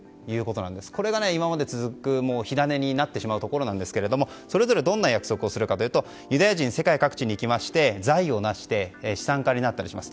これが今までに続く火種になってしまうところなんですけどそれぞれどんな約束をするかというとユダヤ人、世界各地に行きまして財を成して資産家になっています。